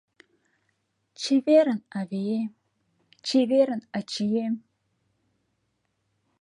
Чеверын, авием, чеверын, ачием